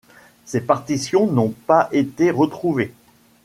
Ces partitions n’ont pas été retrouvées.